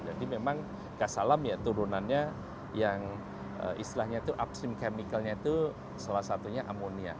jadi memang gas alam ya turunannya yang istilahnya itu upstream chemical nya itu salah satunya amoniak